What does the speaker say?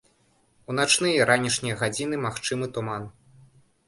У начныя і ранішнія гадзіны магчымы туман.